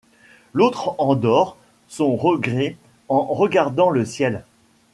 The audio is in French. L’autre endort son regret en regardant le ciel